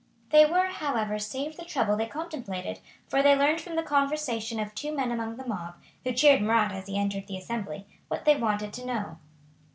They were, however, saved the trouble they contemplated, for they learned from the conversation of two men among the mob, who cheered Marat as he entered the Assembly, what they wanted to know.